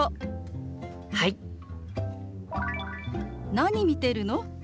「何見てるの？」。